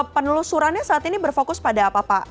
penelusurannya saat ini berfokus pada apa pak